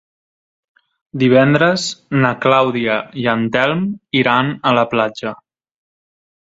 Divendres na Clàudia i en Telm iran a la platja.